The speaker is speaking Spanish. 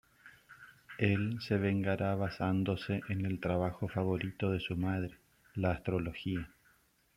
Él se vengará basándose en el trabajo favorito de su madre, la astrología.